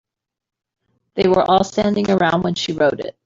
They were all standing around when she wrote it.